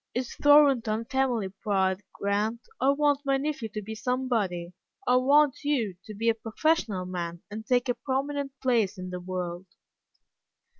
"It's Thornton family pride, Grant. I want my nephew to be somebody. I want you to be a professional man, and take a prominent place in the world."